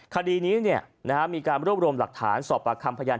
คดีนี้นั้นมีการร่วมรมหลักฐานสอบประคำพยายาม